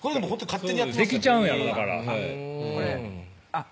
あっ。